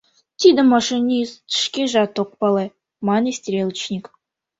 — Тидым машинист шкежат ок пале, — мане стрелочник.